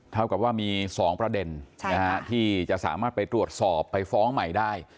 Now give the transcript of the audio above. เท่ากับว่ามี๒ประเด็นที่จะสามารถไปตรวจสอบไปฟ้องใหม่ได้